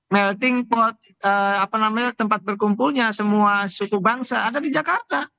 melting tempat berkumpulnya semua suku bangsa ada di jakarta